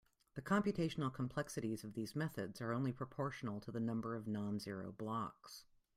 The computational complexities of these methods are only proportional to the number of non-zero blocks.